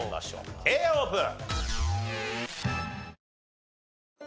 Ａオープン。